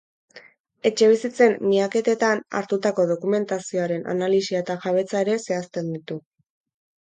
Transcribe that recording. Etxebizitzen miaketetan hartutako dokumentazioaren analisia eta jabetza ere zehazten ditu.